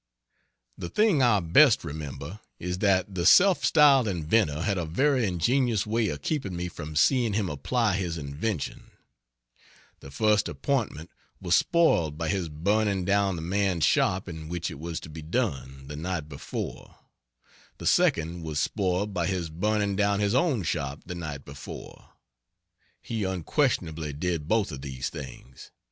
The thing I best remember is, that the self styled "inventor" had a very ingenious way of keeping me from seeing him apply his invention: the first appointment was spoiled by his burning down the man's shop in which it was to be done, the night before; the second was spoiled by his burning down his own shop the night before. He unquestionably did both of these things.